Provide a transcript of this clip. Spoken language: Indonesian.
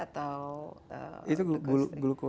dan itu hanya sekali pakai atau